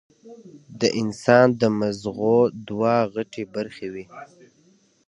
د انسان د مزغو دوه غټې برخې وي